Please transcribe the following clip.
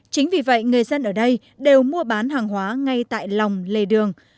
chính vì vậy người dân ở đây đều mua bán hàng hóa ngay tại lòng lề đường